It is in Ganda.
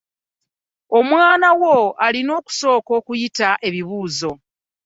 Omwana wo alina okusooka okuyita ebibuuzo.